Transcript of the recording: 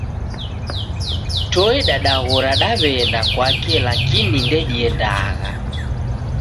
Toe dadaghora daw'enda kwake laikini ndediendagha